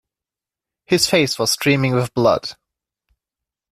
His face was streaming with blood.